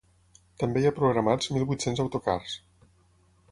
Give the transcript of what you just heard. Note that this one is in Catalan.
També hi ha programats mil vuit-cents autocars.